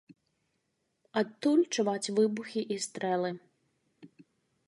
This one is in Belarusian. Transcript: Адтуль чуваць выбухі і стрэлы.